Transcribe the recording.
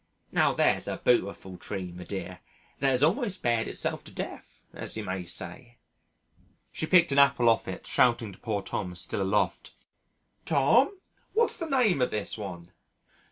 Now there's a bootifull tree, me dear, that 'as almost beared itself to death, as you may say." She picked an apple off it shouting to poor Tom still aloft, "Tom what's the name of this one?"